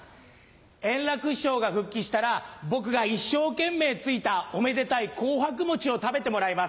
円楽師匠が復帰したら僕が一生懸命ついたおめでたい紅白餅を食べてもらいます。